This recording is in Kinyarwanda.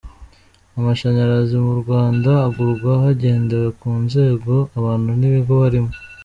Amashanyarazi mu Rwanda agurwa hagendewe ku nzego abantu n’ibigo barimo.